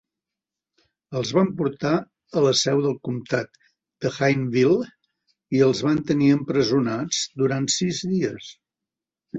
Els van portar a la seu del comtat de Hayneville i els van tenir empresonats durant sis dies.